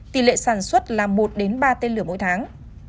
tỷ lệ sản xuất là một ba tên lửa mỗi tháng